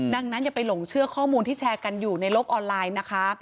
ดังนั้นอย่าไปหลงเชื่อข้อมูลที่แชร์กันอยู่ในโลกออนไลน์นะคะ